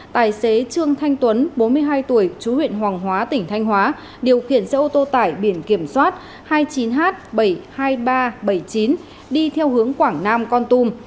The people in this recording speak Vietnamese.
tài xế trương thanh tuấn bốn mươi hai tuổi chú huyện hoàng hóa tỉnh thanh hóa điều khiển xe ô tô tải biển kiểm soát hai mươi chín h bảy mươi hai nghìn ba trăm bảy mươi chín đi theo hướng quảng nam con tum